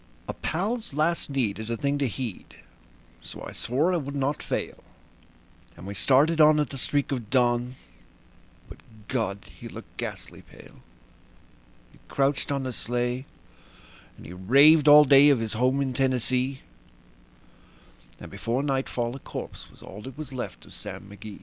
A pal's last need is a thing to heed, so I swore I would not fail; And we started on at the streak of dawn; but God! he looked ghastly pale. He crouched on the sleigh, and he raved all day of his home in Tennessee; And before nightfall a corpse was all that was left of Sam McGee.